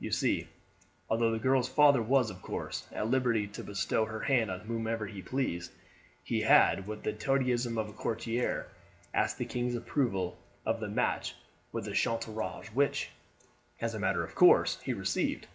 You see, although the girl's father was, of course, at liberty to bestow her hand on whomsoever he pleased, he had, with the toadyism of a courtier, asked the king's approval of the match with Chateaurouge, which, as a matter of course, he received.